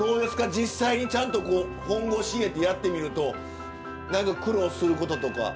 実際にちゃんと本腰入れてやってみると何か苦労することとか。